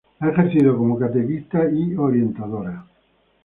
Ha ejercido como catequista y orientadora.